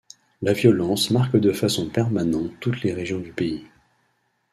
La violence marque de façon permanente toutes les régions du pays.